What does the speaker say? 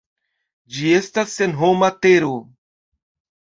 Ĝi estas senhoma tero.